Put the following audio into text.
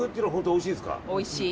おいしい。